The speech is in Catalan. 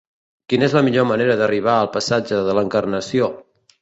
Quina és la millor manera d'arribar al passatge de l'Encarnació?